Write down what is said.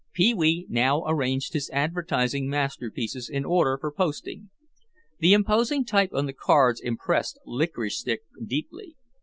Pee wee now arranged his advertising masterpieces in order for posting. The imposing type on the cards impressed Licorice Stick deeply.